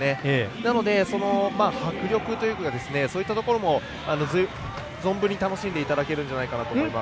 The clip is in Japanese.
なので、迫力というかそういったところも存分に楽しんでいただけるんじゃないかと思います。